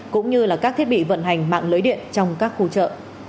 cũng như là các thiết bị vận hành mạng lưới điện trong các khu chợ